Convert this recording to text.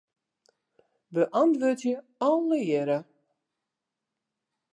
Beäntwurdzje allegearre.